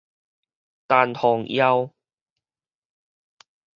陳弘耀